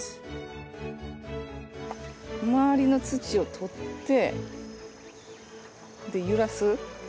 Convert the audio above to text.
周りの土を取ってで揺らす？